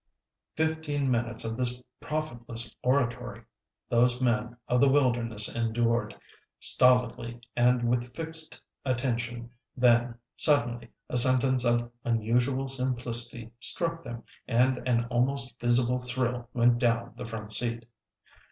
Fifteen minutes of this profitless oratory those men of the wilderness endured, stolidly and with fixed attention; then, suddenly, a sentence of unusual simplicity struck them and an almost visible thrill went down the front seat.